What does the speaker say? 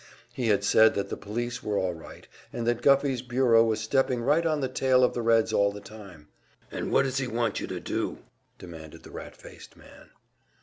He had said that the police were all right, and that Guffey's bureau was stepping right on the tail of the Reds all the time. "And what does he want you to do?" demanded the rat faced man.